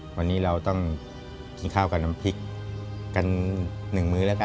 วันนี้เราต้องกินข้าวกับน้ำพริกกัน๑มื้อแล้วกัน